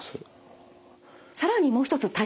更にもう一つ対策